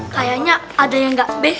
kayaknya ada yang enggak deh las